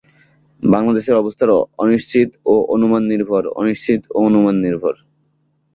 বাংলাদেশের অবস্থায় অনিশ্চিত ও অনুমান নির্ভর, অনিশ্চিত ও অনুমান নির্ভর।